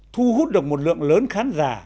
thu hút được một lượng lớn khán giả